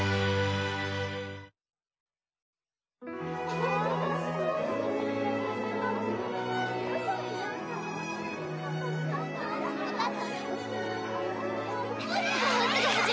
あっ！